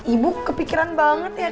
ibu kepikiran banget ya